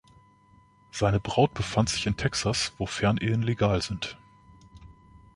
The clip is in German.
Seine Braut befand sich in Texas, wo Fernehen legal sind.